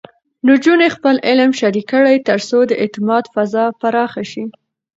نجونې خپل علم شریک کړي، ترڅو د اعتماد فضا پراخه شي.